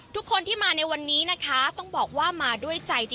ทุกคนที่มาในวันนี้ต้องบอกว่ามาด้วยใจ